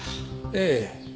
ええ。